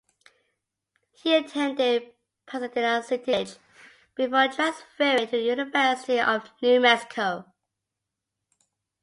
He attended Pasadena City College before transferring to the University of New Mexico.